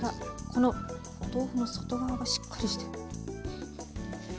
このお豆腐も外側がしっかりしてる。